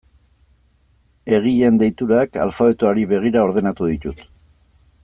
Egileen deiturak alfabetoari begira ordenatu ditut.